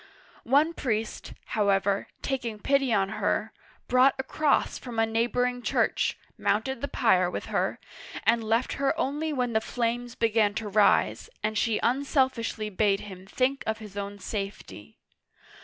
One priest, how ever, taking pity on her, brought a cross from a neighboring church, mounted the pyre with her, and left her only when the flames began to rise and she unself ishly bade him think of his own safety.